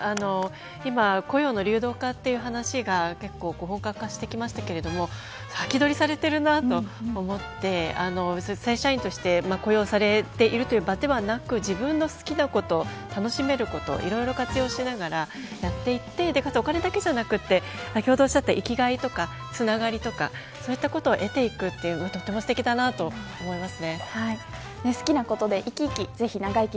今、雇用の流動化という話が本格化してきましたが先取りされているなと思って正社員として雇用されているという場ではなく自分の好きなこと、楽しめることいろいろ活用しながらやっていってかつ、お金だけじゃなくて生きがいとかつながりとかそういったことを得ていくのはとてもすてきだなと思います。